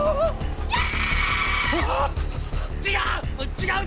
違う！